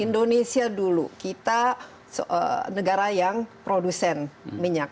indonesia dulu kita negara yang produsen minyak